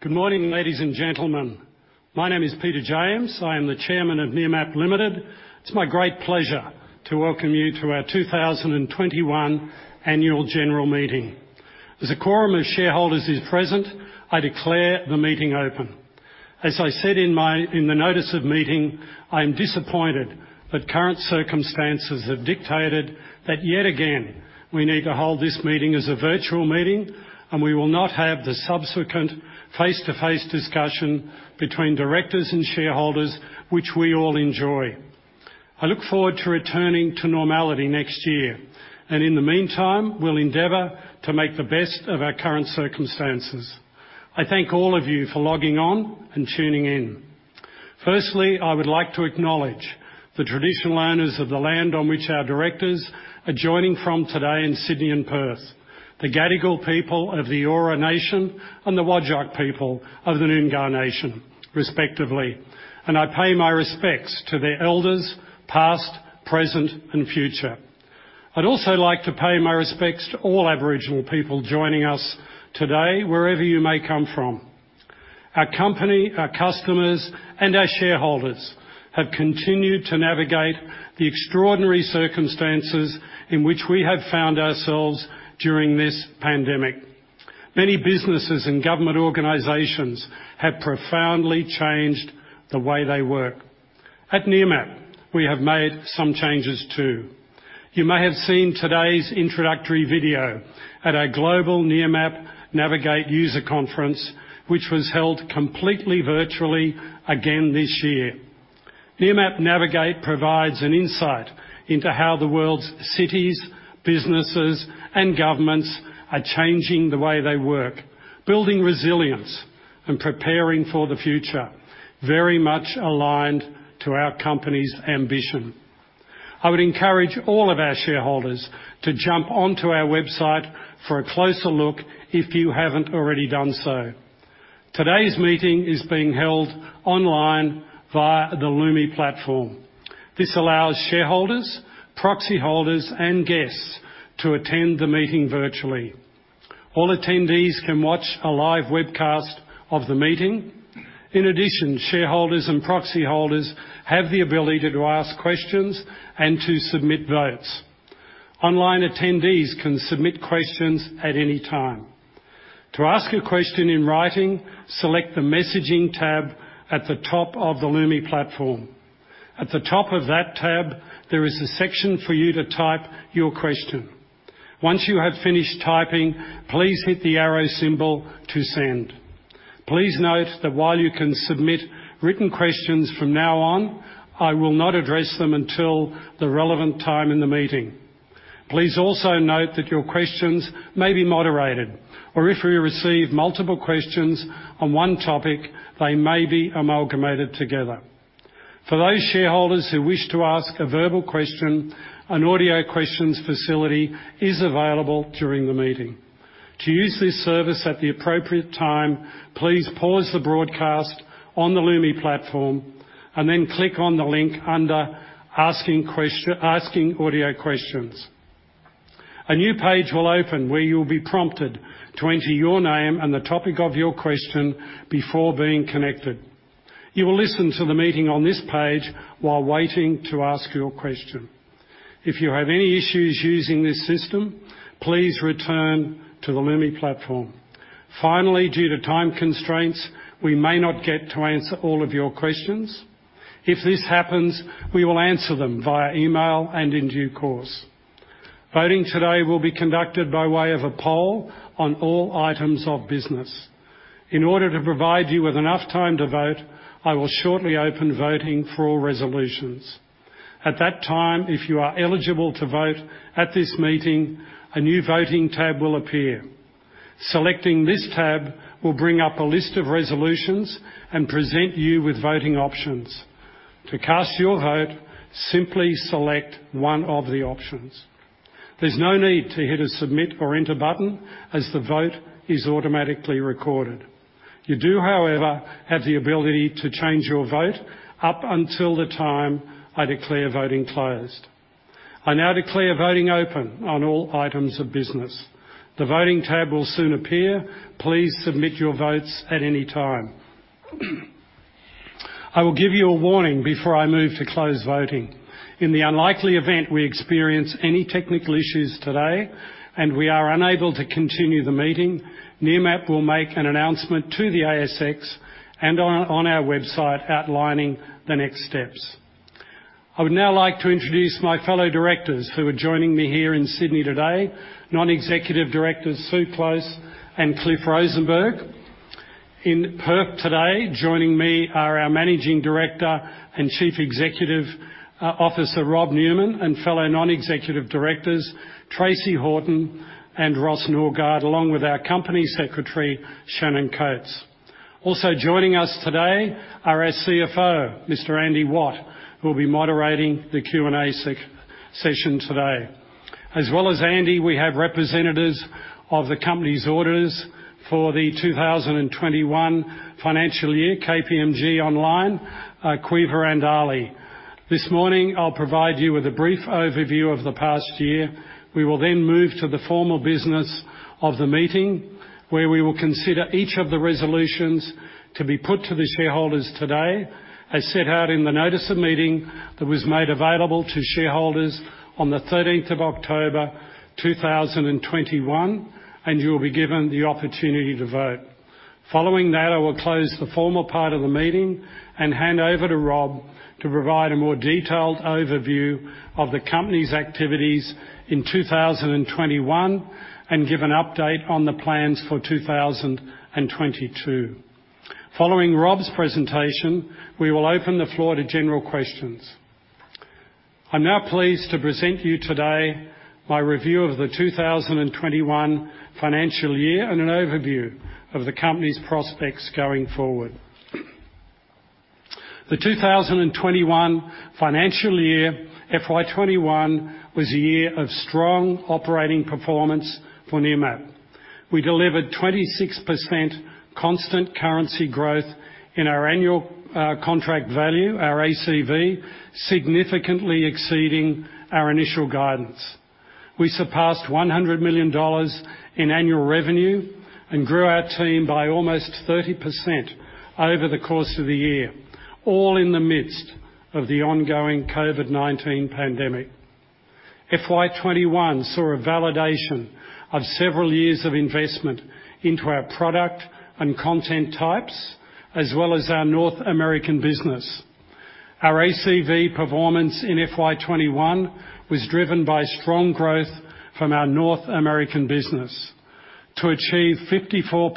Good morning, ladies and gentlemen. My name is Peter James. I am the Chairman of Nearmap Limited. It's my great pleasure to welcome you to our 2021 annual general meeting. As a quorum of shareholders is present, I declare the meeting open. As I said in the notice of meeting, I am disappointed that current circumstances have dictated that, yet again, we need to hold this meeting as a virtual meeting and we will not have the subsequent face-to-face discussion between directors and shareholders, which we all enjoy. I look forward to returning to normality next year and in the meantime, we'll endeavor to make the best of our current circumstances. I thank all of you for logging on and tuning in. Firstly, I would like to acknowledge the traditional owners of the land on which our directors are joining from today in Sydney and Perth, the Gadigal people of the Eora Nation and the Whadjuk people of the Noongar Nation, respectively, and I pay my respects to their elders, past, present, and future. I'd also like to pay my respects to all Aboriginal people joining us today, wherever you may come from. Our company, our customers, and our shareholders have continued to navigate the extraordinary circumstances in which we have found ourselves during this pandemic. Many businesses and government organizations have profoundly changed the way they work. At Nearmap, we have made some changes too. You may have seen today's introductory video at our global Nearmap NAVIG8, which was held completely virtually again this year. Nearmap NAVIG8 provides an insight into how the world's cities, businesses, and governments are changing the way they work, building resilience and preparing for the future, very much aligned to our company's ambition. I would encourage all of our shareholders to jump onto our website for a closer look if you haven't already done so. Today's meeting is being held online via the Lumi platform. This allows shareholders, proxy holders, and guests to attend the meeting virtually. All attendees can watch a live webcast of the meeting. In addition, shareholders and proxy holders have the ability to ask questions and to submit votes. Online attendees can submit questions at any time. To ask a question in writing, select the messaging tab at the top of the Lumi platform. At the top of that tab, there is a section for you to type your question. Once you have finished typing, please hit the arrow symbol to send. Please note that while you can submit written questions from now on, I will not address them until the relevant time in the meeting. Please also note that your questions may be moderated, or if we receive multiple questions on one topic, they may be amalgamated together. For those shareholders who wish to ask a verbal question, an audio questions facility is available during the meeting. To use this service at the appropriate time, please pause the broadcast on the Lumi platform and then click on the link under asking audio questions. A new page will open where you will be prompted to enter your name and the topic of your question before being connected. You will listen to the meeting on this page while waiting to ask your question. If you have any issues using this system, please return to the Lumi platform. Finally, due to time constraints, we may not get to answer all of your questions. If this happens, we will answer them via email and in due course. Voting today will be conducted by way of a poll on all items of business. In order to provide you with enough time to vote, I will shortly open voting for all resolutions. At that time, if you are eligible to vote at this meeting, a new voting tab will appear. Selecting this tab will bring up a list of resolutions and present you with voting options. To cast your vote, simply select one of the options. There's no need to hit a submit or enter button as the vote is automatically recorded. You do, however, have the ability to change your vote up until the time I declare voting closed. I now declare voting open on all items of business. The voting tab will soon appear. Please submit your votes at any time. I will give you a warning before I move to close voting. In the unlikely event we experience any technical issues today and we are unable to continue the meeting, Nearmap will make an announcement to the ASX and on our website outlining the next steps. I would now like to introduce my fellow directors who are joining me here in Sydney today, Non-Executive Directors Sue Klose and Cliff Rosenberg. In Perth today, joining me are our Managing Director and Chief Executive Officer, Rob Newman, and fellow Non-Executive Directors, Tracey Horton and Ross Norgard, along with our Company Secretary, Shannon Coates. Also joining us today are our CFO, Mr. Andy Watt, who will be moderating the Q&A session today. As well as Andy, we have representatives of the company's auditors for the 2021 financial year, KPMG, Caoimhe Toouli. This morning, I'll provide you with a brief overview of the past year. We will then move to the formal business of the meeting, where we will consider each of the resolutions to be put to the shareholders today, as set out in the notice of meeting that was made available to shareholders on the 13th of October, 2021, and you will be given the opportunity to vote. Following that, I will close the formal part of the meeting and hand over to Rob to provide a more detailed overview of the company's activities in 2021 and give an update on the plans for 2022. Following Rob's presentation, we will open the floor to general questions. I'm now pleased to present you today my review of the 2021 financial year and an overview of the company's prospects going forward. The 2021 financial year, FY 2021, was a year of strong operating performance for Nearmap. We delivered 26% constant currency growth in our annual contract value, our ACV, significantly exceeding our initial guidance. We surpassed 100 million dollars in annual revenue and grew our team by almost 30% over the course of the year, all in the midst of the ongoing COVID-19 pandemic. FY 2021 saw a validation of several years of investment into our product and content types as well as our North American business. Our ACV performance in FY 2021 was driven by strong growth from our North American business. To achieve 54%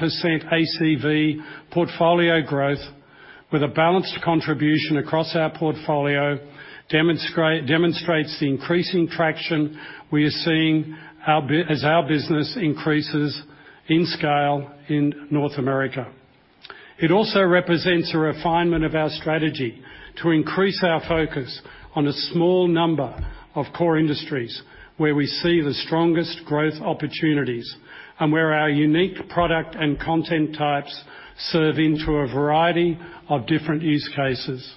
ACV portfolio growth with a balanced contribution across our portfolio demonstrates the increasing traction we are seeing as our business increases in scale in North America. It also represents a refinement of our strategy to increase our focus on a small number of core industries where we see the strongest growth opportunities and where our unique product and content types serve into a variety of different use cases.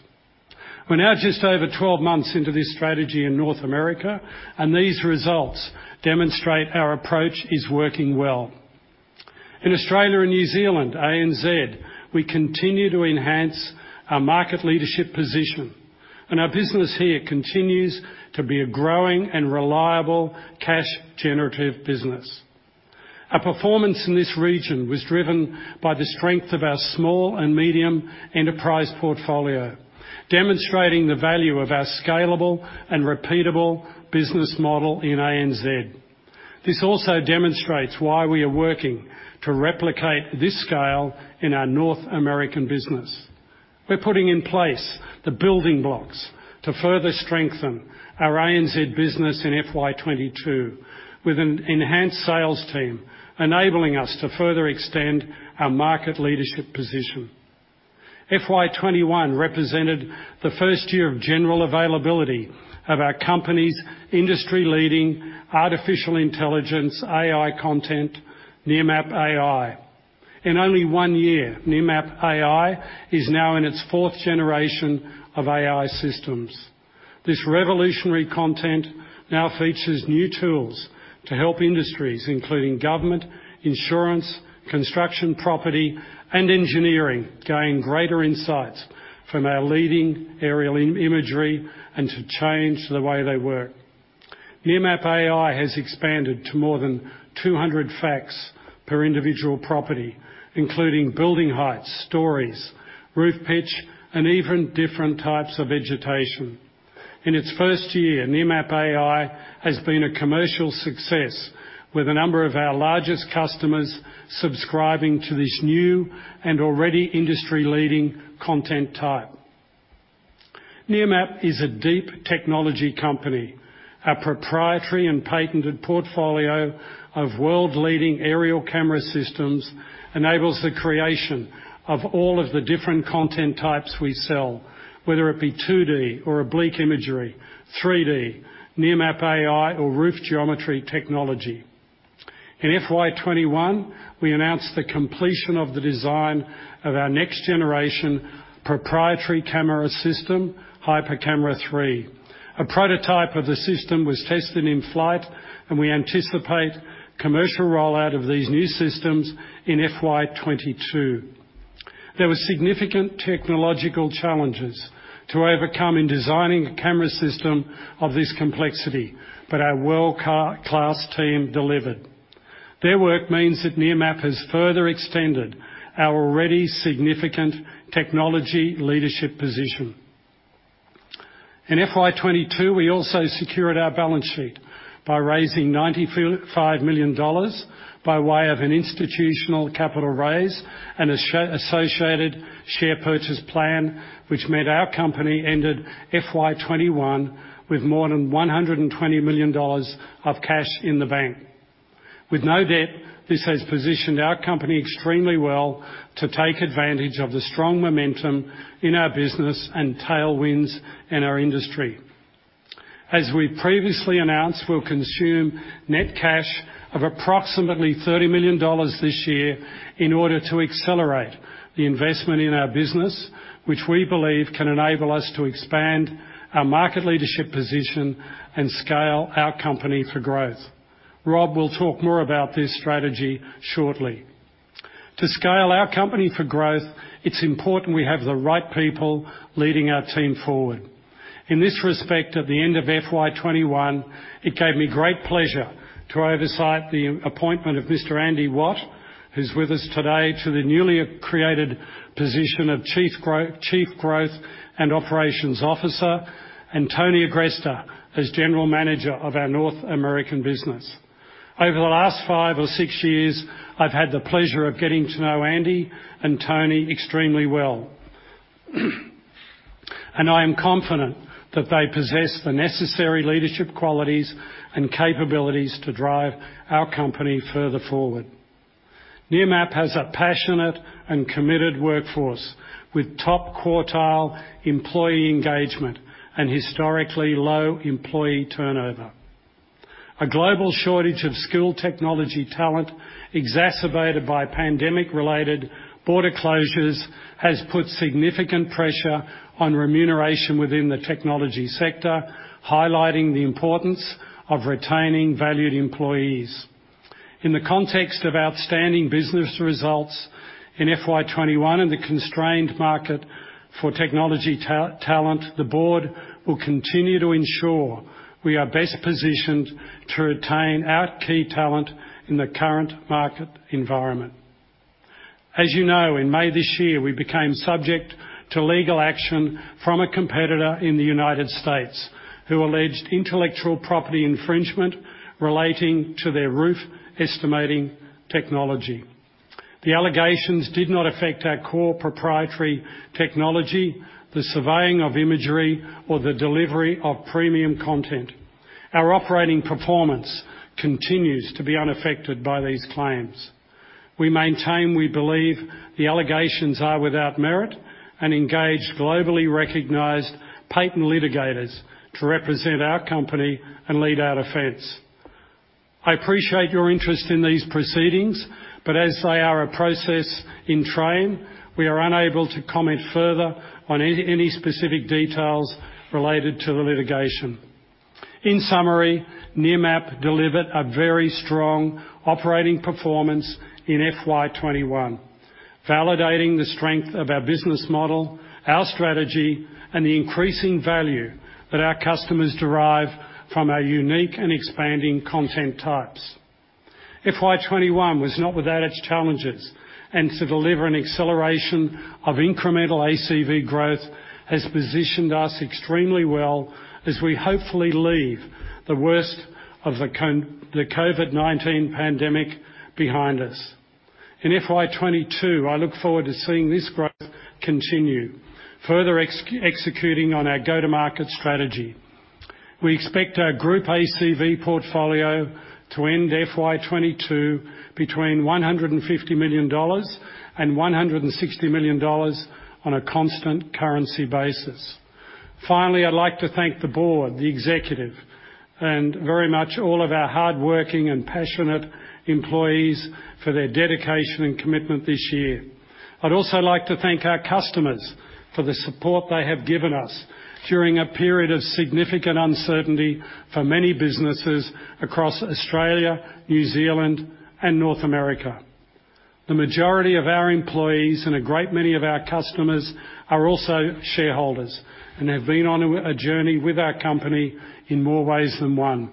We're now just over 12 months into this strategy in North America, and these results demonstrate our approach is working well. In Australia and New Zealand, ANZ, we continue to enhance our market leadership position, and our business here continues to be a growing and reliable cash generative business. Our performance in this region was driven by the strength of our small and medium enterprise portfolio, demonstrating the value of our scalable and repeatable business model in ANZ. This also demonstrates why we are working to replicate this scale in our North American business. We're putting in place the building blocks to further strengthen our ANZ business in FY 2021 with an enhanced sales team, enabling us to further extend our market leadership position. FY 2021 represented the first year of general availability of our company's industry-leading artificial intelligence, AI content, Nearmap AI. In only one year, Nearmap AI is now in its fourth generation of AI systems. This revolutionary content now features new tools to help industries, including government, insurance, construction, property, and engineering gain greater insights from our leading Aerial Imagery and to change the way they work. Nearmap AI has expanded to more than 200 facts per individual property, including building heights, stories, roof pitch, and even different types of vegetation. In its first year, Nearmap AI has been a commercial success with a number of our largest customers subscribing to this new and already industry-leading content type. Nearmap is a deep technology company. Our proprietary and patented portfolio of world-leading aerial camera systems enables the creation of all of the different content types we sell, whether it be 2D or Oblique Imagery, 3D, Nearmap AI or roof geometry technology. In FY 2021, we announced the completion of the design of our next generation proprietary camera system, HyperCamera 3. A prototype of the system was tested in flight and we anticipate commercial rollout of these new systems in FY 2022. There were significant technological challenges to overcome in designing a camera system of this complexity, but our world-class team delivered. Their work means that Nearmap has further extended our already significant technology leadership position. In FY 2022, we also secured our balance sheet by raising 95 million dollars by way of an institutional capital raise and associated share purchase plan, which meant our company ended FY 2021 with more than 120 million dollars of cash in the bank. With no debt, this has positioned our company extremely well to take advantage of the strong momentum in our business and tailwinds in our industry. As we previously announced, we'll consume net cash of approximately 30 million dollars this year in order to accelerate the investment in our business, which we believe can enable us to expand our market leadership position and scale our company for growth. Rob will talk more about this strategy shortly. To scale our company for growth, it's important we have the right people leading our team forward. In this respect, at the end of FY 2021, it gave me great pleasure to oversee the appointment of Mr. Andy Watt, who's with us today, to the newly created position of Chief Growth and Operations Officer, and Tony Agresta as General Manager of our North America business. Over the last five or six years, I've had the pleasure of getting to know Andy and Tony extremely well, and I am confident that they possess the necessary leadership qualities and capabilities to drive our company further forward. Nearmap has a passionate and committed workforce with top quartile employee engagement and historically low employee turnover. A global shortage of skilled technology talent, exacerbated by pandemic-related border closures, has put significant pressure on remuneration within the technology sector, highlighting the importance of retaining valued employees. In the context of outstanding business results in FY 2021 and the constrained market for technology talent, the board will continue to ensure we are best positioned to retain our key talent in the current market environment. As you know, in May this year, we became subject to legal action from a competitor in the United States who alleged intellectual property infringement relating to their roof estimating technology. The allegations did not affect our core proprietary technology, the surveying of imagery or the delivery of premium content. Our operating performance continues to be unaffected by these claims. We maintain we believe the allegations are without merit and engage globally recognized patent litigators to represent our company and lead our defense. I appreciate your interest in these proceedings, but as they are a process in train, we are unable to comment further on any specific details related to the litigation. In summary, Nearmap delivered a very strong operating performance in FY 2021, validating the strength of our business model, our strategy, and the increasing value that our customers derive from our unique and expanding content types. FY 2021 was not without its challenges, and to deliver an acceleration of incremental ACV growth has positioned us extremely well as we hopefully leave the worst of the COVID-19 pandemic behind us. In FY 2022, I look forward to seeing this growth continue, further executing on our go-to-market strategy. We expect our group ACV portfolio to end FY 2022 between 150 million dollars and 160 million dollars on a constant currency basis. Finally, I'd like to thank the board, the executive, and very much all of our hardworking and passionate employees for their dedication and commitment this year. I'd also like to thank our customers for the support they have given us during a period of significant uncertainty for many businesses across Australia, New Zealand, and North America. The majority of our employees and a great many of our customers are also shareholders, and they've been on a journey with our company in more ways than one.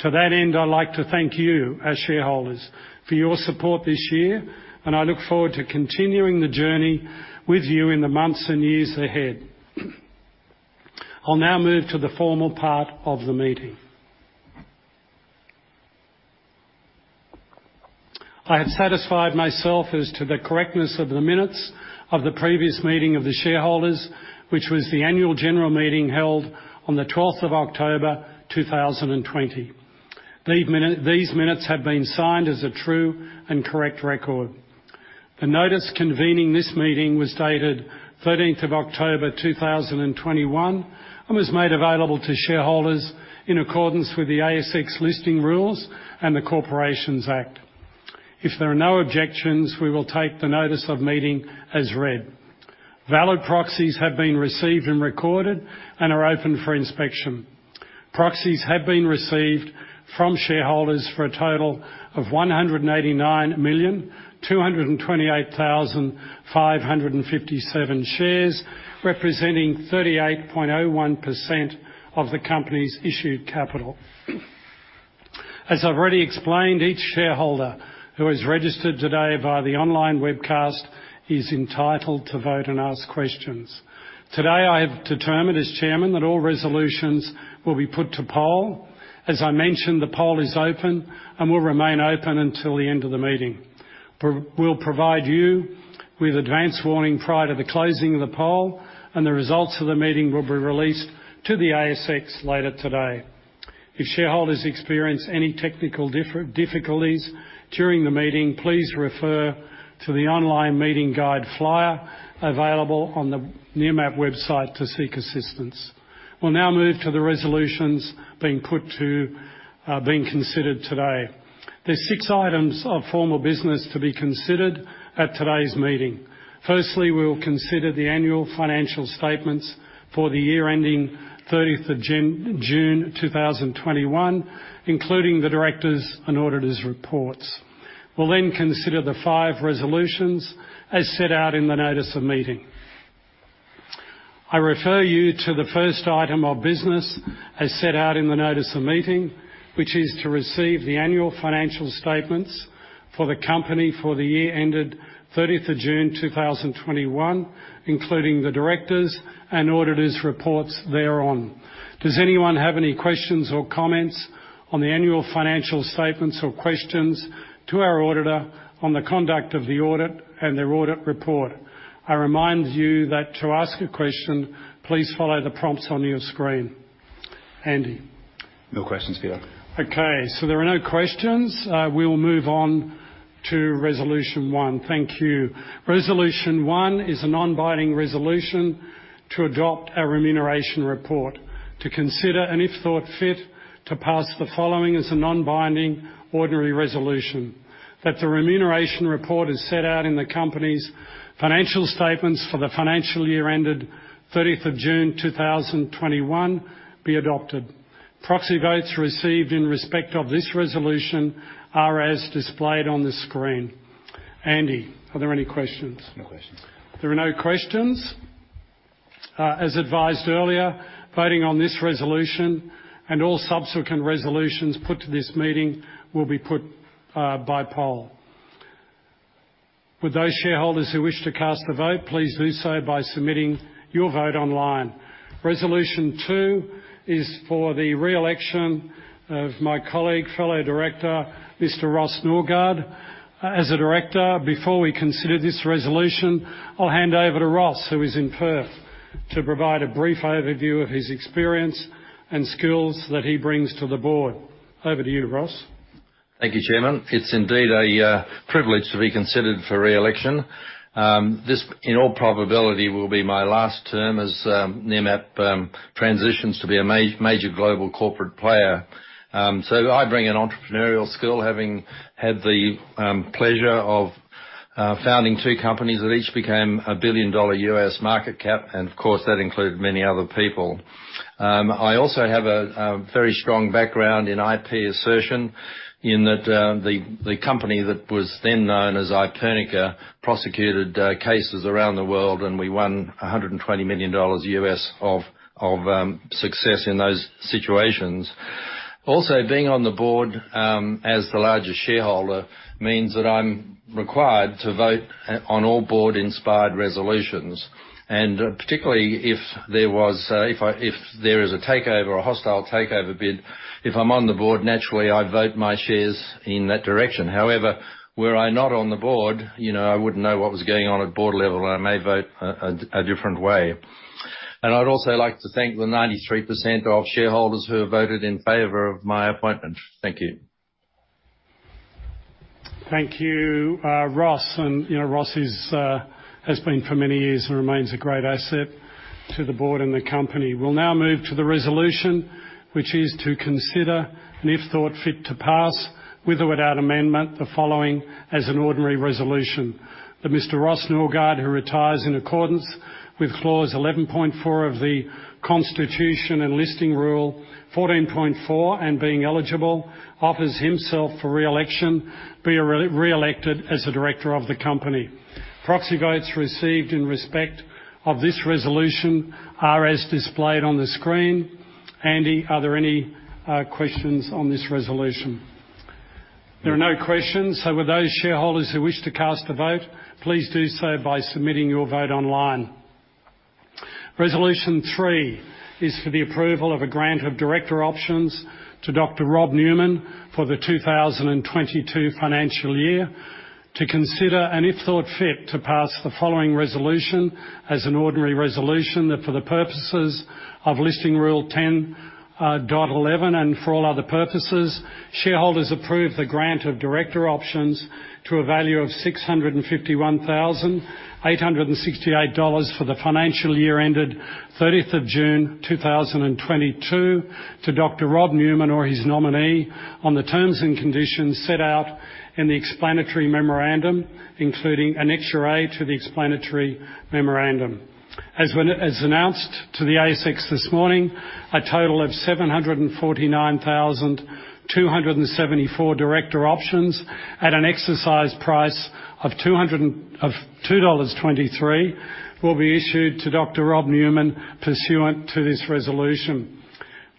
To that end, I'd like to thank you, as shareholders, for your support this year, and I look forward to continuing the journey with you in the months and years ahead. I'll now move to the formal part of the meeting. I have satisfied myself as to the correctness of the minutes of the previous meeting of the shareholders, which was the annual general meeting held on the 12th of October, 2020. These minutes have been signed as a true and correct record. The notice convening this meeting was dated 13th of October, 2021, and was made available to shareholders in accordance with the ASX Listing Rules and the Corporations Act. If there are no objections, we will take the notice of meeting as read. Valid proxies have been received and recorded and are open for inspection. Proxies have been received from shareholders for a total of 189,228,557 shares, representing 38.01% of the company's issued capital. As I've already explained, each shareholder who is registered today via the online webcast is entitled to vote and ask questions. Today, I have determined as chairman that all resolutions will be put to poll. As I mentioned, the poll is open and will remain open until the end of the meeting. We'll provide you with advance warning prior to the closing of the poll, and the results of the meeting will be released to the ASX later today. If shareholders experience any technical difficulties during the meeting, please refer to the online meeting guide flyer available on the Nearmap website to seek assistance. We'll now move to the resolutions being put to being considered today. There's six items of formal business to be considered at today's meeting. Firstly, we will consider the Annual Financial Statements for the year ending 30th of June 2021, including the Directors' and Auditors' reports. We'll then consider the five resolutions as set out in the notice of meeting. I refer you to the first item of business as set out in the notice of meeting, which is to receive the Annual Financial Statements for the company for the year ended 30th of June 2021, including the Directors' and Auditors' reports thereon. Does anyone have any questions or comments on the Annual Financial Statements or questions to our auditor on the conduct of the audit and their audit report? I remind you that to ask a question, please follow the prompts on your screen. Andy? No questions, Peter. Okay, so there are no questions. We'll move on to Resolution One. Thank you. Resolution One is a non-binding resolution to adopt a remuneration report. To consider, and if thought fit, to pass the following as a non-binding ordinary resolution: That the Remuneration Report is set out in the company's financial statements for the financial year ended 30th of June 2021 be adopted. Proxy votes received in respect of this resolution are as displayed on the screen. Andy, are there any questions? No questions. There are no questions. As advised earlier, voting on this resolution and all subsequent resolutions put to this meeting will be put by poll. Would those shareholders who wish to cast a vote please do so by submitting your vote online. Resolution Two is for the re-election of my colleague, fellow director, Mr. Ross Norgard, as a director. Before we consider this resolution, I'll hand over to Ross, who is in Perth, to provide a brief overview of his experience and skills that he brings to the board. Over to you, Ross. Thank you, Chairman. It's indeed a privilege to be considered for re-election. This, in all probability, will be my last term as Nearmap transitions to be a major global corporate player. I bring an entrepreneurial skill, having had the pleasure of founding two companies that each became a billion-dollar U.S. market cap, and of course, that included many other people. I also have a very strong background in IP assertion in that the company that was then known as Ipernica prosecuted cases around the world, and we won $120 million of success in those situations. Also, being on the board as the largest shareholder means that I'm required to vote on all board-inspired resolutions. Particularly if there is a takeover or hostile takeover bid, if I'm on the board, naturally, I vote my shares in that direction. However, were I not on the board, you know, I wouldn't know what was going on at board level, and I may vote a different way. I'd also like to thank the 93% of shareholders who have voted in favor of my appointment. Thank you. Thank you, Ross. You know, Ross is has been for many years and remains a great asset to the board and the company. We'll now move to the resolution, which is to consider, and if thought fit to pass, with or without amendment, the following as an ordinary resolution: That Mr Ross Norgard, who retires in accordance with Clause 11.4 of the Constitution and Listing Rule 14.4 and being eligible, offers himself for re-election to be re-elected as a director of the company. Proxy votes received in respect of this resolution are as displayed on the screen. Andy, are there any questions on this resolution? There are no questions, so would those shareholders who wish to cast a vote, please do so by submitting your vote online. Resolution Three is for the approval of a grant of director options to Dr. Rob Newman for the 2022 financial year. To consider, and if thought fit, to pass the following resolution as an ordinary resolution that for the purposes of Listing Rule 10.11, and for all other purposes, shareholders approve the grant of director options to a value of 651,868 dollars for the financial year ended 30th of June 2022 to Dr. Rob Newman or his nominee on the terms and conditions set out in the explanatory memorandum, including Annexure A to the explanatory memorandum. As announced to the ASX this morning, a total of 749,274 director options at an exercise price of 2.23 dollars will be issued to Dr Rob Newman pursuant to this resolution.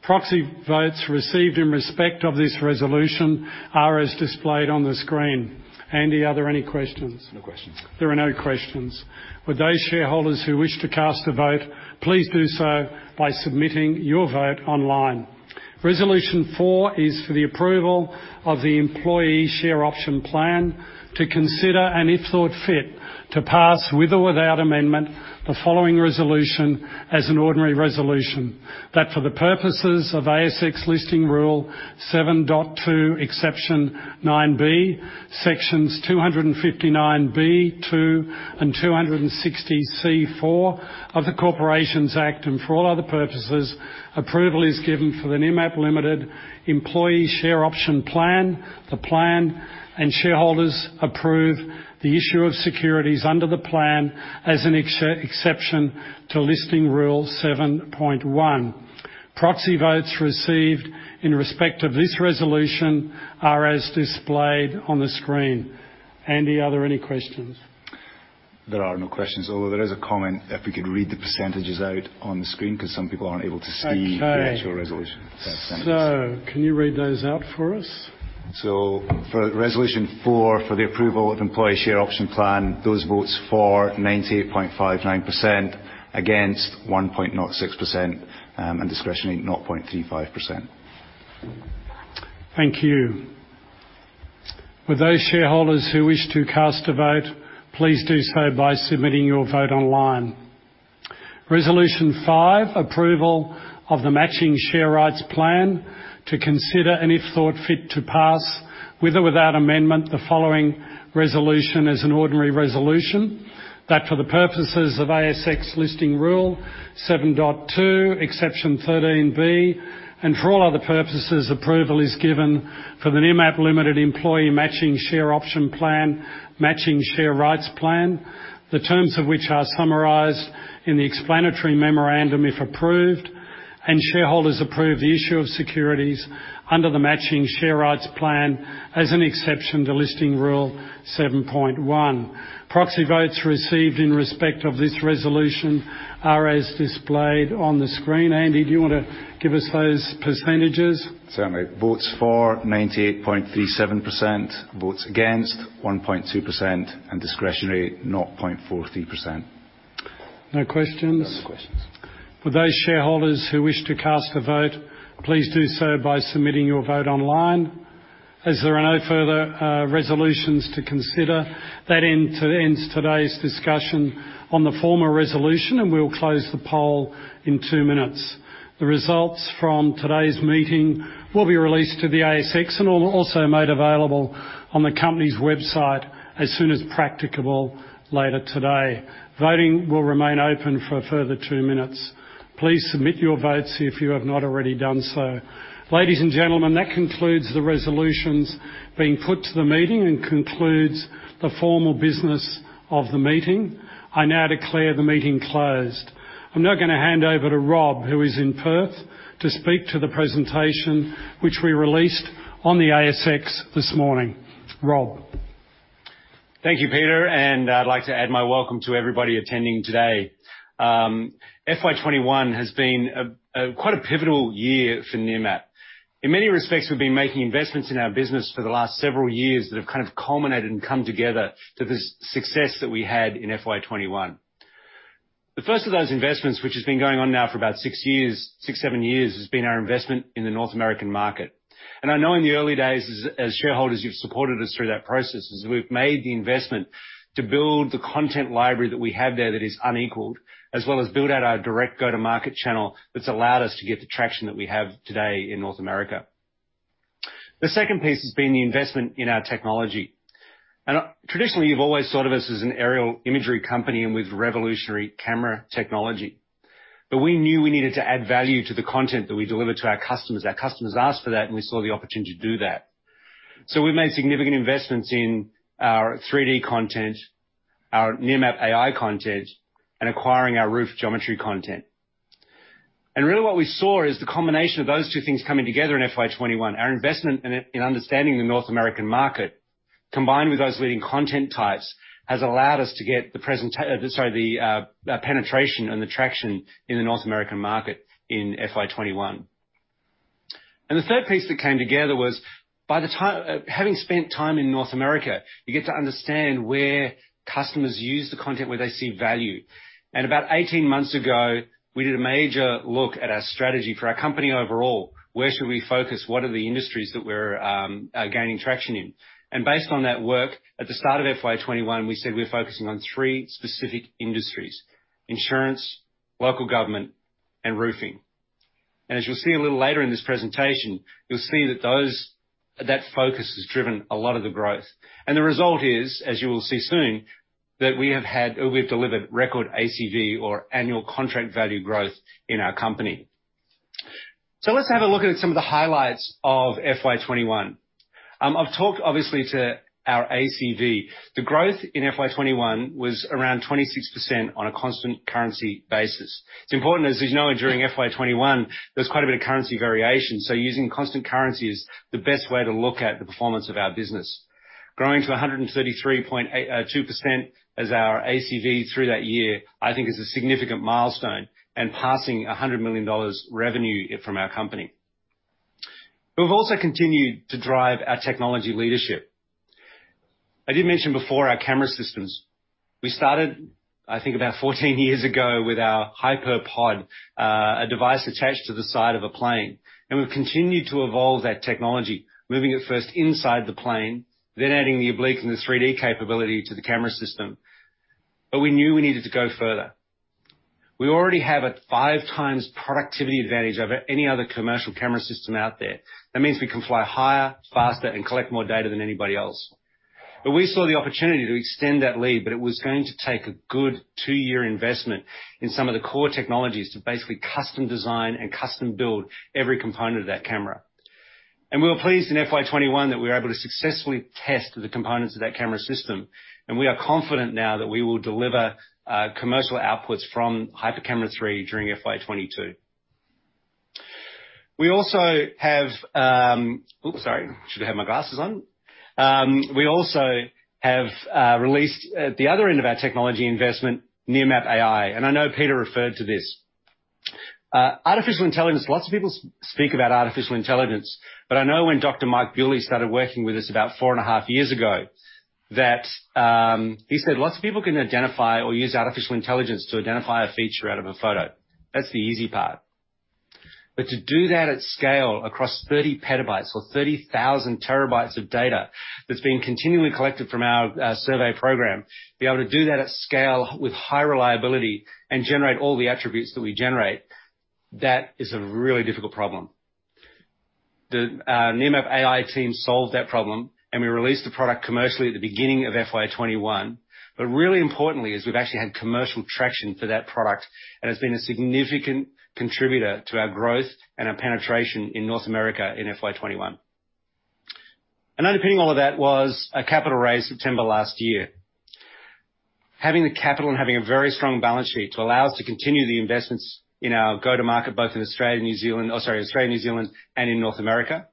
Proxy votes received in respect of this resolution are as displayed on the screen. Andy, are there any questions? No questions. There are no questions. Would those shareholders who wish to cast a vote, please do so by submitting your vote online. Resolution Four is for the approval of the employee share option plan to consider, and if thought fit, to pass, with or without amendment, the following resolution as an ordinary resolution. That for the purposes of ASX Listing Rule 7.2 Exception 9, sections 259B(2), and 260C(4) of the Corporations Act, and for all other purposes, approval is given for the Nearmap Limited employee share option plan, the plan and shareholders approve the issue of securities under the plan as an exception to Listing Rule 7.1. Proxy votes received in respect of this resolution are as displayed on the screen. Andy, are there any questions? There are no questions, although there is a comment if we could read the percentages out on the screen 'cause some people aren't able to see. Okay the actual resolution. Can you read those out for us? For Resolution Four, for the approval of Employee Share Option Plan, those votes for 98.59%, against 1.06%, and discretionary 0.35%. Thank you. Would those shareholders who wish to cast a vote, please do so by submitting your vote online. Resolution Five, approval of the matching share rights plan to consider, and if thought fit to pass, with or without amendment, the following resolution as an ordinary resolution. That for the purposes of ASX Listing Rule 7.2 Exception 13B, and for all other purposes, approval is given for the Nearmap Ltd employee matching share option plan, matching share rights plan, the terms of which are summarized in the explanatory memorandum, if approved, and shareholders approve the issue of securities under the matching share rights plan as an exception to Listing Rule 7.1. Proxy votes received in respect of this resolution are as displayed on the screen. Andy, do you wanna give us those percentages? Certainly. Votes for 98.37%, votes against 1.2%, and discretionary 0.43%. No questions? No questions. Would those shareholders who wish to cast a vote, please do so by submitting your vote online. As there are no further resolutions to consider, that ends today's discussion on the formal resolution, and we'll close the poll in two minutes. The results from today's meeting will be released to the ASX and will also be made available on the company's website as soon as practicable later today. Voting will remain open for a further two minutes. Please submit your votes if you have not already done so. Ladies and gentlemen, that concludes the resolutions being put to the meeting and concludes the formal business of the meeting. I now declare the meeting closed. I'm now gonna hand over to Rob, who is in Perth, to speak to the presentation which we released on the ASX this morning. Rob. Thank you, Peter, and I'd like to add my welcome to everybody attending today. FY 2021 has been a quite pivotal year for Nearmap. In many respects, we've been making investments in our business for the last several years that have kind of culminated and come together to this success that we had in FY 2021. The first of those investments, which has been going on now for about six or seven years, has been our investment in the North American market. I know in the early days, as shareholders, you've supported us through that process as we've made the investment to build the content library that we have there that is unequaled, as well as build out our direct go-to-market channel that's allowed us to get the traction that we have today in North America. The second piece has been the investment in our technology. Traditionally, you've always thought of us as an Aerial Imagery company and with revolutionary camera technology. We knew we needed to add value to the content that we deliver to our customers. Our customers asked for that, and we saw the opportunity to do that. We've made significant investments in our 3D content, our Nearmap AI content, and acquiring our roof geometry content. Really what we saw is the combination of those two things coming together in FY 2021. Our investment in understanding the North American market, combined with those leading content types, has allowed us to get the penetration and the traction in the North American market in FY 2021. The third piece that came together was having spent time in North America, you get to understand where customers use the content, where they see value. About 18 months ago, we did a major look at our strategy for our company overall. Where should we focus? What are the industries that we're gaining traction in? Based on that work, at the start of FY 2021, we said we're focusing on three specific industries, Insurance, Local Government, and Roofing. As you'll see a little later in this presentation, you'll see that that focus has driven a lot of the growth. The result is, as you will see soon, that we have had, or we've delivered record ACV or annual contract value growth in our company. Let's have a look at some of the highlights of FY 2021. I've talked obviously to our ACV. The growth in FY 2021 was around 26% on a constant currency basis. It's important, as you know, during FY 2021, there was quite a bit of currency variation, so using constant currency is the best way to look at the performance of our business. Growing to 133.82% as our ACV through that year, I think is a significant milestone and passing 100 million dollars revenue from our company. We've also continued to drive our technology leadership. I did mention before our camera systems. We started, I think about 14 years ago, with our HyperPod, a device attached to the side of a plane, and we've continued to evolve that technology, moving it first inside the plane, then adding the oblique and the 3D capability to the camera system. We knew we needed to go further. We already have a five times productivity advantage over any other commercial camera system out there. That means we can fly higher, faster, and collect more data than anybody else. We saw the opportunity to extend that lead, but it was going to take a good two-year investment in some of the core technologies to basically custom design and custom build every component of that camera. We were pleased in FY 2021 that we were able to successfully test the components of that camera system, and we are confident now that we will deliver commercial outputs from HyperCamera 3 during FY 2022. We also have released at the other end of our technology investment Nearmap AI, and I know Peter referred to this. Artificial intelligence. Lots of people speak about artificial intelligence, but I know when Dr. Mike Bewley started working with us about four and a half years ago that he said lots of people can identify or use artificial intelligence to identify a feature out of a photo. That's the easy part. To do that at scale across 30 PB, or 30,000 TB of data that's being continually collected from our survey program, to be able to do that at scale with high reliability and generate all the attributes that we generate, that is a really difficult problem. The Nearmap AI team solved that problem, and we released the product commercially at the beginning of FY 2021. Really importantly is we've actually had commercial traction for that product, and it's been a significant contributor to our growth and our penetration in North America in FY 2021. Underpinning all of that was a capital raise September last year. Having the capital and having a very strong balance sheet to allow us to continue the investments in our go-to-market, both in Australia, New Zealand. Oh, sorry, Australia, New Zealand, and in North America,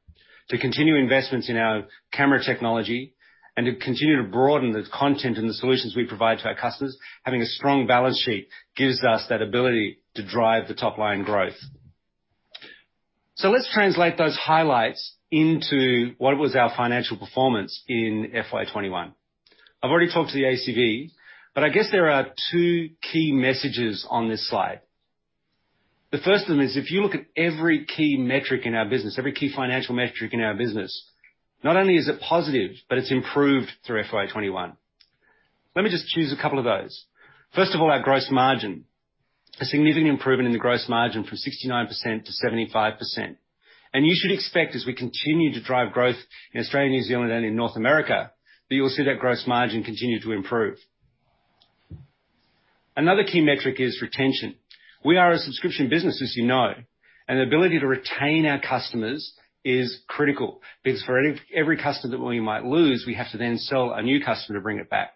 to continue investments in our camera technology, and to continue to broaden the content and the solutions we provide to our customers. Having a strong balance sheet gives us that ability to drive the top-line growth. Let's translate those highlights into what was our financial performance in FY 2021. I've already talked to the ACV, but I guess there are two key messages on this slide. The first of them is, if you look at every key metric in our business, every key financial metric in our business, not only is it positive, but it's improved through FY 2021. Let me just choose a couple of those. First of all, our gross margin. A significant improvement in the gross margin from 69% to 75%. You should expect, as we continue to drive growth in Australia, New Zealand, and in North America, that you'll see that gross margin continue to improve. Another key metric is retention. We are a subscription business, as you know, and the ability to retain our customers is critical, because for any, every customer that we might lose, we have to then sell a new customer to bring it back.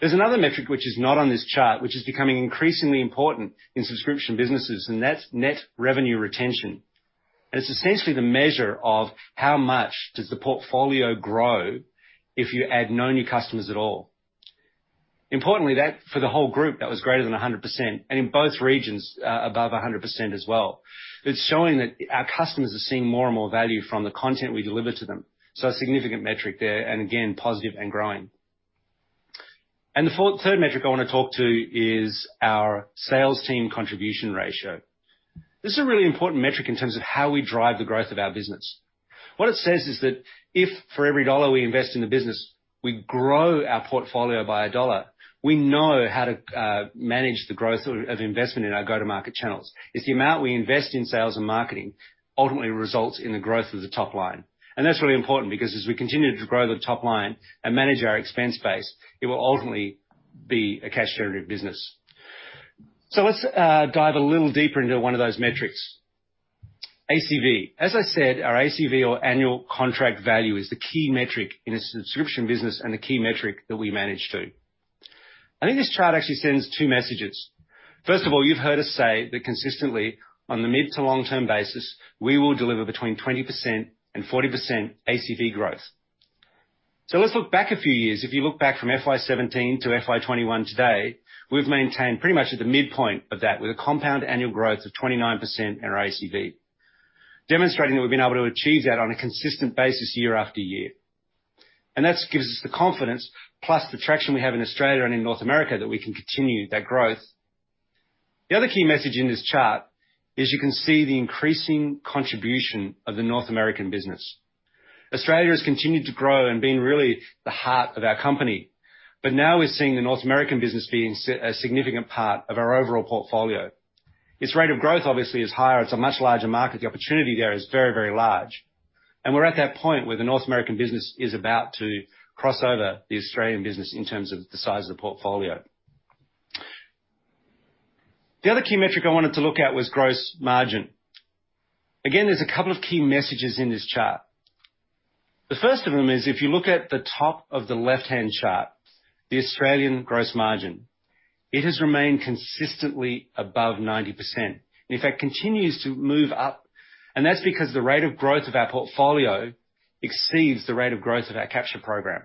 There's another metric which is not on this chart, which is becoming increasingly important in subscription businesses, and that's net revenue retention. It's essentially the measure of how much does the portfolio grow if you add no new customers at all. Importantly, that, for the whole group, that was greater than 100%, and in both regions, above 100% as well. It's showing that our customers are seeing more and more value from the content we deliver to them. A significant metric there, and again, positive and growing. The third metric I wanna talk to is our Sales Team Contribution Ratio. This is a really important metric in terms of how we drive the growth of our business. What it says is that if for every dollar we invest in the business, we grow our portfolio by a dollar, we know how to manage the growth of investment in our go-to-market channels. It's the amount we invest in sales and marketing ultimately results in the growth of the top line. That's really important because as we continue to grow the top line and manage our expense base, it will ultimately be a cash generative business. Let's dive a little deeper into one of those metrics. ACV. As I said, our ACV, or annual contract value, is the key metric in a subscription business and a key metric that we manage to. I think this chart actually sends two messages. First of all, you've heard us say that consistently, on the mid- to long-term basis, we will deliver between 20% and 40% ACV growth. Let's look back a few years. If you look back from FY 2017 to FY 2021 today, we've maintained pretty much at the midpoint of that with a compound annual growth of 29% in our ACV, demonstrating that we've been able to achieve that on a consistent basis year after year. That gives us the confidence, plus the traction we have in Australia and in North America, that we can continue that growth. The other key message in this chart is you can see the increasing contribution of the North American business. Australia has continued to grow and been really the heart of our company. Now we're seeing the North American business being a significant part of our overall portfolio. Its rate of growth obviously is higher. It's a much larger market. The opportunity there is very, very large. We're at that point where the North American business is about to cross over the Australian business in terms of the size of the portfolio. The other key metric I wanted to look at was gross margin. Again, there's a couple of key messages in this chart. The first of them is, if you look at the top of the left-hand chart, the Australian gross margin, it has remained consistently above 90%, and in fact, continues to move up. That's because the rate of growth of our portfolio exceeds the rate of growth of our capture program.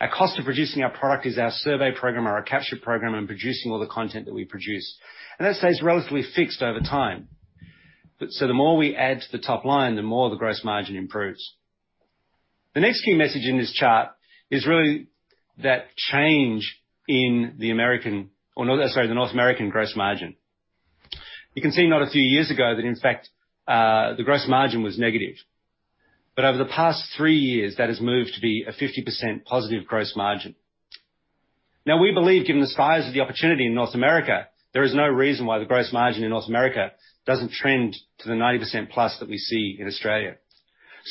Our cost of producing our product is our survey program or our capture program and producing all the content that we produce. That stays relatively fixed over time. The more we add to the top line, the more the gross margin improves. The next key message in this chart is really that change in the North American gross margin. You can see not a few years ago that in fact, the gross margin was negative. Over the past three years, that has moved to be a 50% positive gross margin. Now, we believe given the size of the opportunity in North America, there is no reason why the gross margin in North America doesn't trend to the 90% plus that we see in Australia.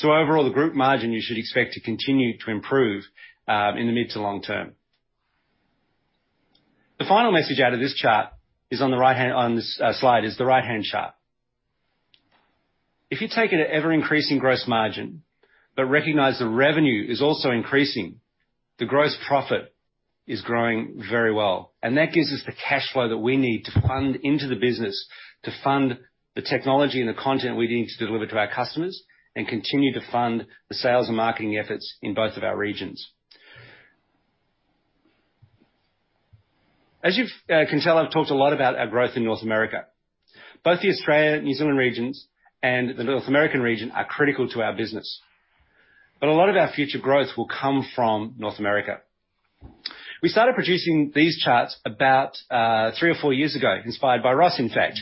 Overall, the gross margin you should expect to continue to improve in the mid to long term. The final message out of this chart is on the right-hand on this slide the right-hand chart. If you take an ever-increasing gross margin but recognize the revenue is also increasing, the gross profit is growing very well, and that gives us the cash flow that we need to fund into the business, to fund the technology and the content we need to deliver to our customers and continue to fund the sales and marketing efforts in both of our regions. As you can tell, I've talked a lot about our growth in North America. Both the Australia/New Zealand regions and the North American region are critical to our business. A lot of our future growth will come from North America. We started producing these charts about three or four years ago, inspired by Ross, in fact.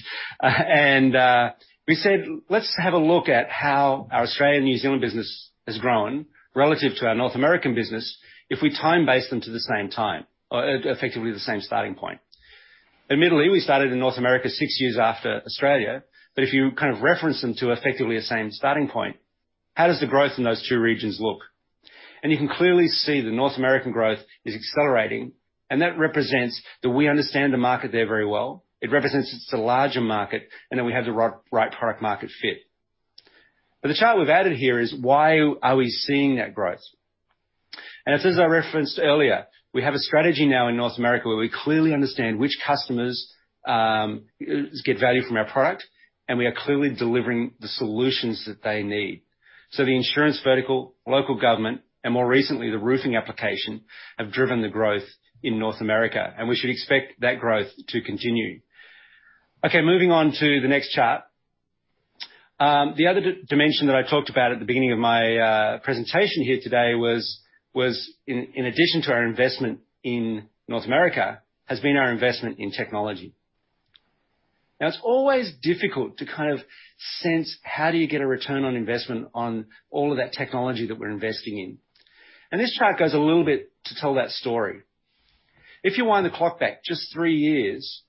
We said, "Let's have a look at how our Australian and New Zealand business has grown relative to our North American business if we time-base them to the same time, effectively the same starting point." Admittedly, we started in North America six years after Australia, but if you kind of reference them to effectively the same starting point, how does the growth in those two regions look? You can clearly see the North American growth is accelerating, and that represents that we understand the market there very well. It represents it's a larger market, and that we have the right product market fit. The chart we've added here is why we are seeing that growth. It's as I referenced earlier, we have a strategy now in North America where we clearly understand which customers get value from our product, and we are clearly delivering the solutions that they need. The insurance vertical, local government, and more recently, the roofing application, have driven the growth in North America, and we should expect that growth to continue. Okay, moving on to the next chart. The other dimension that I talked about at the beginning of my presentation here today was, in addition to our investment in North America, has been our investment in technology. Now, it's always difficult to kind of sense how do you get a return on investment on all of that technology that we're investing in. This chart goes a little bit to tell that story. If you wind the clock back just three years,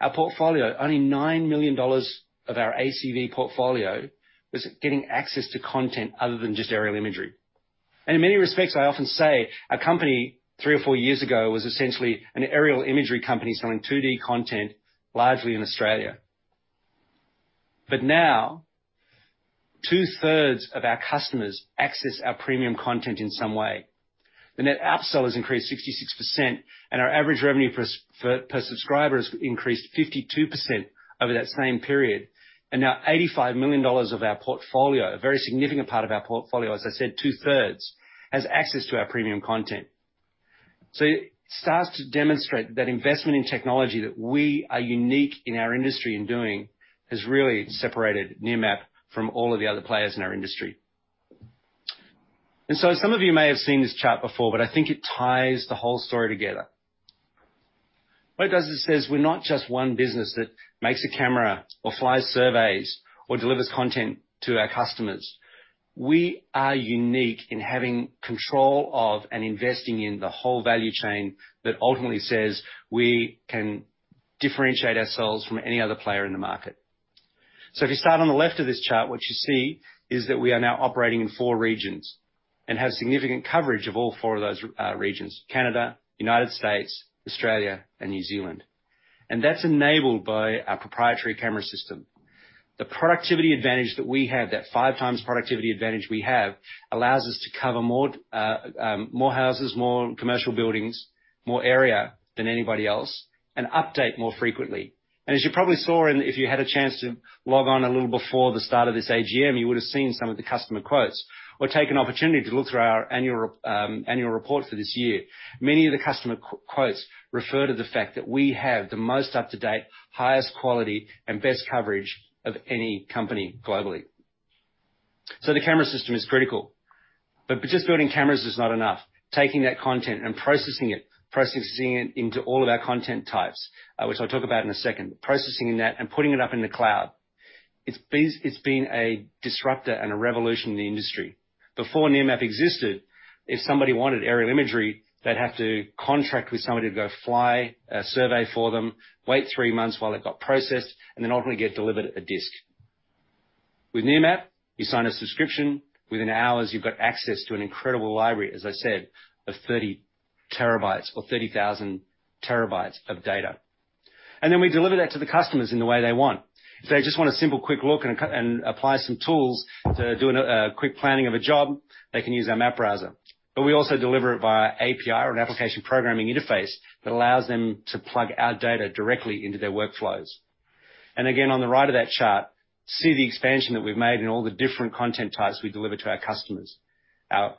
our portfolio, only 9 million dollars of our ACV portfolio was getting access to content other than just Aerial Imagery. In many respects, I often say our company three or four years ago was essentially an Aerial Imagery company selling 2D content largely in Australia. Now, two-thirds of our customers access our premium content in some way. The net upsell has increased 66%, and our average revenue per subscriber has increased 52% over that same period. Now 85 million dollars of our portfolio, a very significant part of our portfolio, as I said, two-thirds, has access to our premium content. It starts to demonstrate that investment in technology that we are unique in our industry in doing has really separated Nearmap from all of the other players in our industry. Some of you may have seen this chart before, but I think it ties the whole story together. What it does is says we're not just one business that makes a camera or flies surveys or delivers content to our customers. We are unique in having control of and investing in the whole value chain that ultimately says we can differentiate ourselves from any other player in the market. If you start on the left of this chart, what you see is that we are now operating in four regions and have significant coverage of all four of those regions, Canada, United States, Australia, and New Zealand. That's enabled by our proprietary camera system. The productivity advantage that we have, that five times productivity advantage we have, allows us to cover more houses, more commercial buildings, more area than anybody else and update more frequently. As you probably saw, if you had a chance to log on a little before the start of this AGM, you would have seen some of the customer quotes or take an opportunity to look through our annual report for this year. Many of the customer quotes refer to the fact that we have the most up-to-date, highest quality, and best coverage of any company globally. The camera system is critical. Just building cameras is not enough. Taking that content and processing it into all of our content types, which I'll talk about in a second. Processing that and putting it up in the cloud. It's been a disruptor and a revolution in the industry. Before Nearmap existed, if somebody wanted Aerial Imagery, they'd have to contract with somebody to go fly a survey for them, wait three months while it got processed, and then ultimately get delivered a disk. With Nearmap, you sign a subscription. Within hours, you've got access to an incredible library, as I said, of 30 TB or 30,000 TB of data. Then we deliver that to the customers in the way they want. If they just want a simple quick look and apply some tools to do a quick planning of a job, they can use our MapBrowser. We also deliver it via API or an application programming interface that allows them to plug our data directly into their workflows. Again, on the right of that chart, see the expansion that we've made in all the different content types we deliver to our customers. Our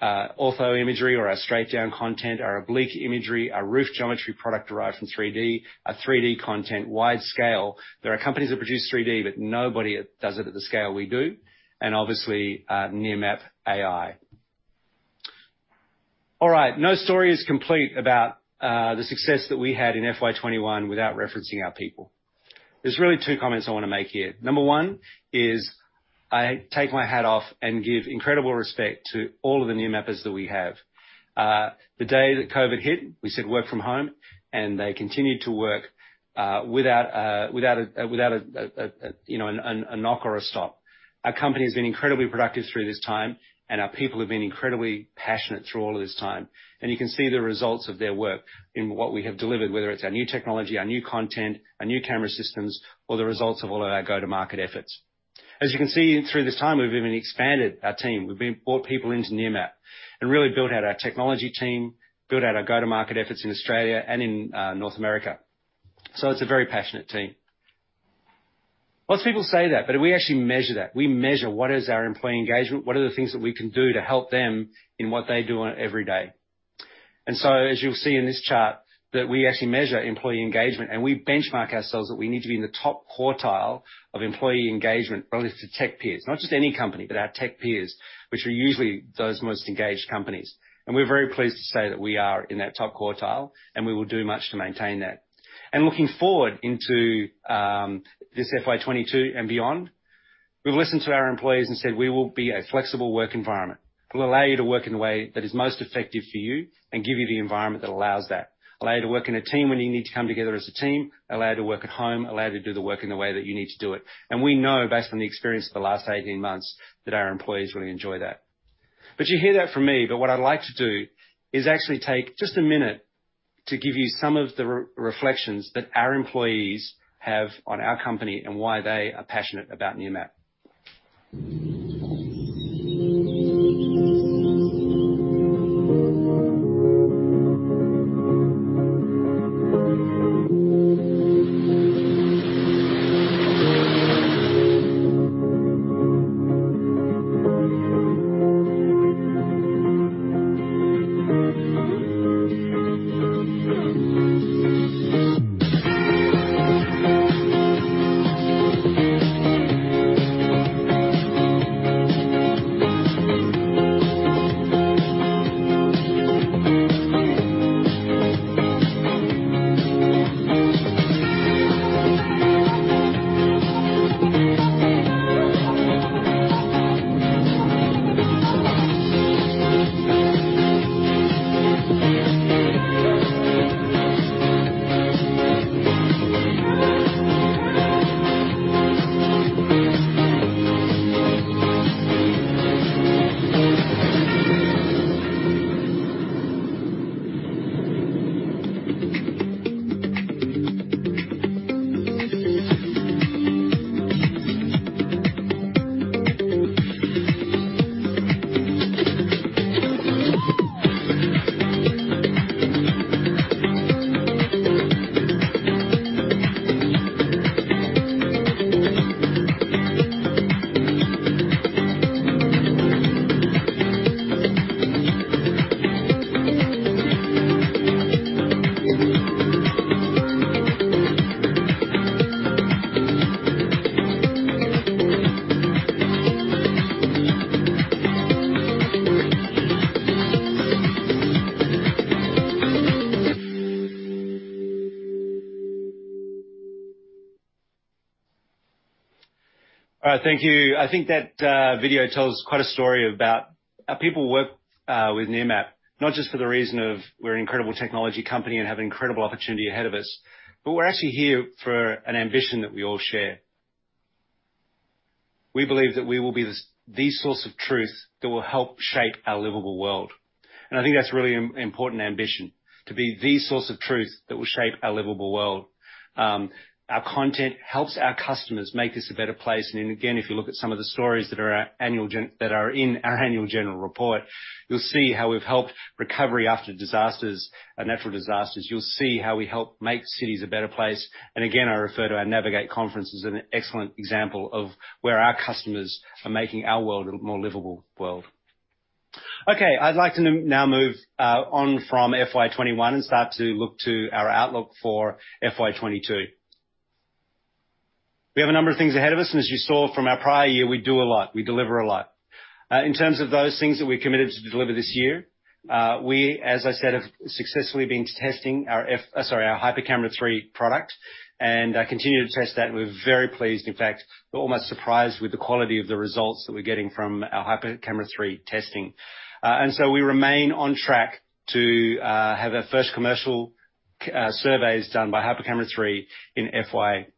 Ortho Imagery or our straight-down content, our Oblique Imagery, our roof geometry product derived from 3D, our 3D content widescale. There are companies that produce 3D, but nobody does it at the scale we do, and obviously, Nearmap AI. All right, no story is complete about the success that we had in FY 2021 without referencing our people. There's really two comments I wanna make here. Number one is I take my hat off and give incredible respect to all of the Nearmappers that we have. The day that COVID hit, we said work from home, and they continued to work without a, you know, a knock or a stop. Our company has been incredibly productive through this time, and our people have been incredibly passionate through all of this time. You can see the results of their work in what we have delivered, whether it's our new technology, our new content, our new camera systems or the results of all of our go-to-market efforts. As you can see, through this time, we've even expanded our team. Brought people into Nearmap and really built out our technology team, built out our go-to-market efforts in Australia and in North America. It's a very passionate team. Lots of people say that, but we actually measure that. We measure what is our employee engagement, what are the things that we can do to help them in what they do on it every day. As you'll see in this chart, that we actually measure employee engagement, and we benchmark ourselves that we need to be in the top quartile of employee engagement relative to tech peers. Not just any company, but our tech peers, which are usually those most engaged companies. We're very pleased to say that we are in that top quartile, and we will do much to maintain that. Looking forward into this FY 2022 and beyond, we've listened to our employees and said, we will be a flexible work environment. We'll allow you to work in the way that is most effective for you and give you the environment that allows that. Allow you to work in a team when you need to come together as a team, allow you to work at home, allow you to do the work in the way that you need to do it. We know based on the experience of the last 18 months, that our employees really enjoy that. You hear that from me, but what I'd like to do is actually take just a minute to give you some of the reflections that our employees have on our company and why they are passionate about Nearmap. All right. Thank you. I think that video tells quite a story about our people work with Nearmap, not just for the reason of we're an incredible technology company and have incredible opportunity ahead of us, but we're actually here for an ambition that we all share. We believe that we will be the source of truth that will help shape our livable world, and I think that's a really important ambition, to be the source of truth that will shape our livable world. Our content helps our customers make this a better place. Then again, if you look at some of the stories that are in our annual general report, you'll see how we've helped recovery after disasters, natural disasters. You'll see how we help make cities a better place. Again, I refer to our Navigate conference as an excellent example of where our customers are making our world a more livable world. Okay. I'd like to now move on from FY 2021 and start to look to our outlook for FY 2022. We have a number of things ahead of us, and as you saw from our prior year, we do a lot. We deliver a lot. In terms of those things that we're committed to deliver this year, we, as I said, have successfully been testing our HyperCamera 3 product and continue to test that. We're very pleased, in fact, we're almost surprised with the quality of the results that we're getting from our HyperCamera 3 testing. We remain on track to have our first commercial surveys done by HyperCamera 3 in FY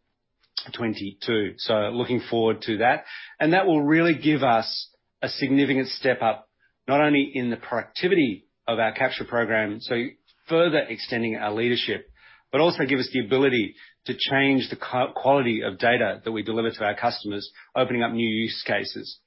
2022. Looking forward to that. That will really give us a significant step up, not only in the productivity of our capture program, so further extending our leadership, but also give us the ability to change the quality of data that we deliver to our customers, opening up new use cases.